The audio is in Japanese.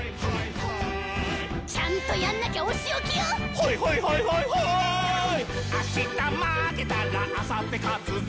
「ほいほいほいほいほーい」「あした負けたら、あさって勝つぞ！」